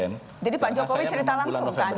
jadi pak jokowi cerita langsung